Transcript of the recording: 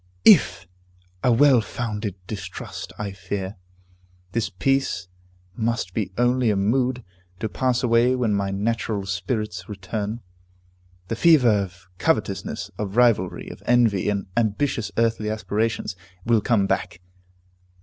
"If!" A well founded distrust, I fear. This peace must be only a mood, to pass away when my natural spirits return. The fever of covetousness, of rivalry, of envy, and ambitious earthly aspirations, will come back.